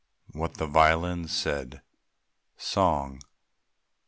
WHAT THE VIOLINS SAID. SONG.